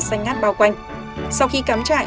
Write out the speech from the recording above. xanh ngát bao quanh sau khi cắm trại